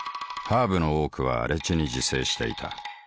ハーブの多くは荒地に自生していた。